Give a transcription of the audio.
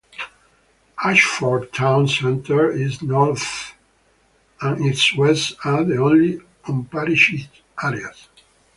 Ashford town centre, its north and its west are the only unparished areas.